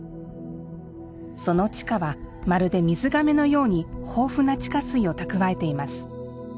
その地下はまるで水がめのように豊富な地下水を蓄えています。